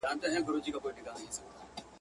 زه لکه ماشوم په منډومنډو وړانګي نیسمه.